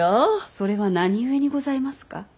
それは何故にございますか？